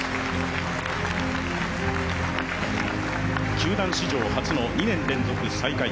球団史上初の２年連続最下位。